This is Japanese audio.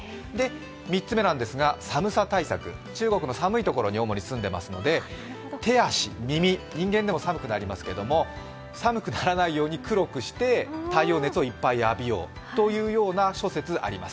３つ目は寒さ対策、中国の主に寒いところに住んでいますので手足、耳、人間でも寒くなりますけれども寒くならないように黒くして太陽熱をいっぱい浴びようという諸説あります。